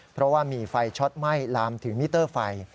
เพราะว่ามีไฟช็อตไหม้ลามถึงมิเตอร์ไฟ